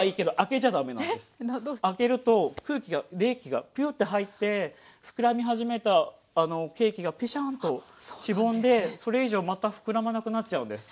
開けると空気が冷気がピューって入ってふくらみ始めたケーキがペシャンとしぼんでそれ以上またふくらまなくなっちゃうんです。